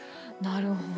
なるほど。